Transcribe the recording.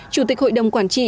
chủ tịch hội đồng quản trị